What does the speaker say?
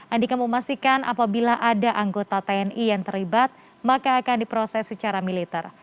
andika memastikan apabila ada anggota tni yang terlibat maka akan diproses secara militer